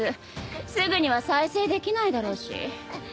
すぐには再生できないだろうし。